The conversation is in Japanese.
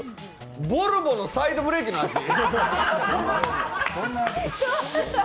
ボルボのサイドブレーキの味？